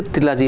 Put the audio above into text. thì là gì